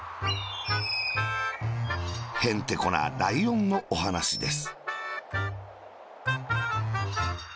へんてこなライオンのおはなしです。